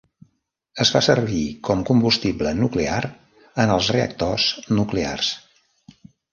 Es fa servir com combustible nuclear en els reactors nuclears.